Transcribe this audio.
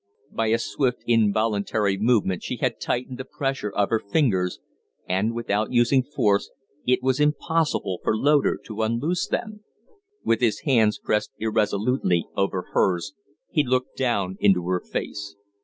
By a swift, involuntary movement she had tightened the pressure of her fingers; and, without using force, it was impossible for Loder to unloose them. With his hands pressed irresolutely over hers, he looked down into her face.